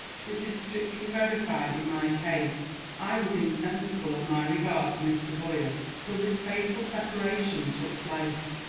This is strictly verified in my case. I was insensible of my regard for Mr. Boyer till this fatal separation took place.